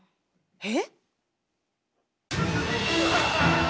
えっ⁉